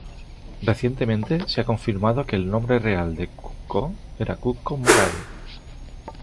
Recientemente se ha confirmado que el nombre real de Cuckoo era Cuckoo Moray.